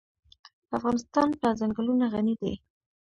افغانستان په ځنګلونه غني دی.